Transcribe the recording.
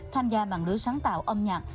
tham gia mạng lưới sáng tạo âm nhạc